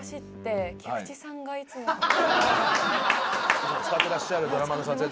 いつも使ってらっしゃるドラマの撮影とかで。